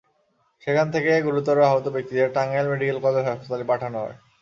সেখান থেকে গুরুতর আহত ব্যক্তিদের টাঙ্গাইল মেডিকেল কলেজ হাসপাতালে পাঠানো হয়।